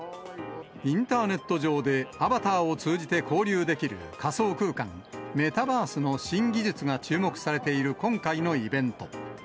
インターネット上でアバターを通じて交流できる仮想空間、メタバースの新技術が注目されている今回のイベント。